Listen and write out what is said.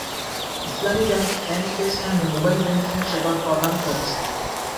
ইসলামি bank M cash নামে mobile banking সেবা প্রদান করছে।